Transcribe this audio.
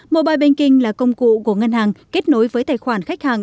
mobile banking là công cụ của ngân hàng kết nối với tài khoản khách hàng